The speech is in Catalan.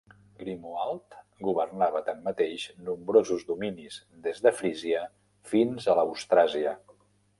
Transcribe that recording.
Grimoald governava tanmateix nombrosos dominis des de Frísia fins a l'Austràsia.